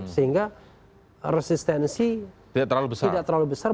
sehingga resistensi tidak terlalu besar